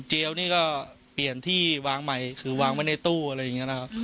นี่ก็เปลี่ยนที่วางใหม่คือวางไว้ในตู้อะไรอย่างนี้นะครับ